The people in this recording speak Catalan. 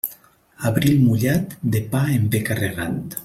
Abril mullat, de pa en ve carregat.